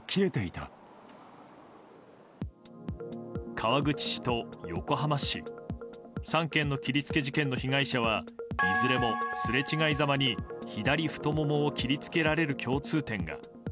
川口市と横浜市３件の切りつけ事件の被害者はいずれもすれ違いざまに左太ももを切りつけられる共通点が。